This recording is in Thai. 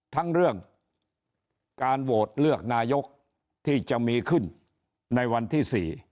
ทั้งเรื่องการโหวตเลือกนายกที่จะมีขึ้นในวันที่๔